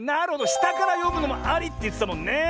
したからよむのもありってやつだもんね。